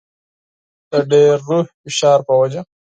د ډېر روحي فشار په وجه.